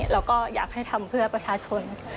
เราก็อยากให้ทำเพื่อประชาชน